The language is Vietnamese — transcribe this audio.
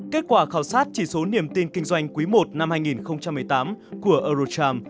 kết quả khảo sát chỉ số niềm tin kinh doanh quý i năm hai nghìn một mươi tám của eurocharm